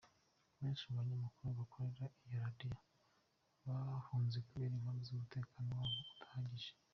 Benshi mu banyamakuru bakorera iyo radiyo bahunze kubera impamvu z’umutekano wabo udahagije.